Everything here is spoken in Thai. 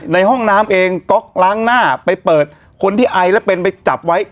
ในห้องน้ำเองก๊อกล้างหน้าไปเปิดคนที่ไอแล้วเป็นไปจับไว้